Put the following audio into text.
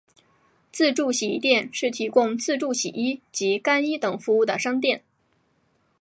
自助洗衣店是提供自助洗衣及干衣等服务的商店。